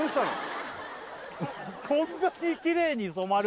こんなにキレイに染まる？